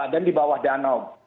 dan di bawah danau